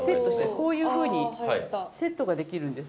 こういうふうにセットができるんです。